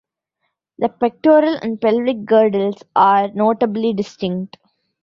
The pectoral and pelvic girdles are notably distinct.